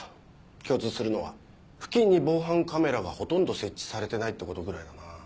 共通するのは付近に防犯カメラがほとんど設置されてないってことぐらいだなぁ。